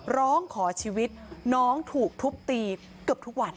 ร้องขอชีวิตน้องถูกทุบตีเกือบทุกวัน